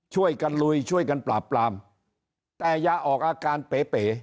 ช่วยกันลุยช่วยกันปราบปรามแต่อย่าออกอาการเป๋เป๋